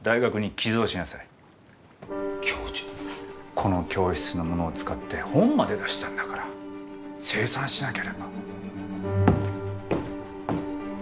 この教室のものを使って本まで出したんだから清算しなければ。